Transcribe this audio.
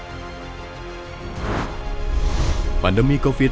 sebagai langkah forward looking untuk menjaga kemampuan bayar korporasi